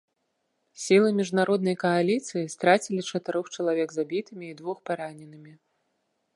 Сілы міжнароднай кааліцыі страцілі чатырох чалавек забітымі і двух параненымі.